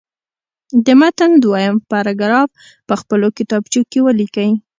د متن دویم پاراګراف په خپلو کتابچو کې ولیکئ.